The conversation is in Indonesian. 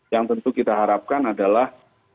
yang tentu kita harapkan adalah